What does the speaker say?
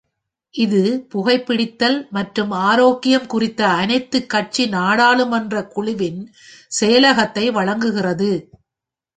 இது புகைபிடித்தல் மற்றும் ஆரோக்கியம் குறித்த அனைத்து கட்சி நாடாளுமன்ற குழுவின் செயலகத்தை வழங்குகிறது.